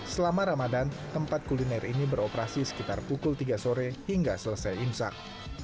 selama ramadan tempat kuliner ini beroperasi sekitar pukul tiga sore hingga selesai imsak